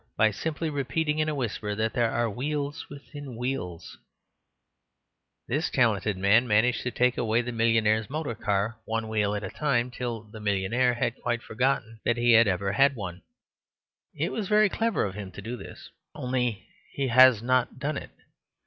By simply repeating, in a whisper, that there are "wheels within wheels," this talented man managed to take away the millionaire's motor car, one wheel at a time, till the millionaire had quite forgotten that he ever had one. It was very clever of him to do this, only he has not done it.